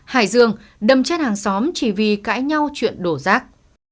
hải dương đâm chết hàng xóm chỉ vì cãi nhau chuyện đổ rác